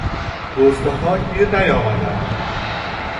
دزد ها گیر نیامدند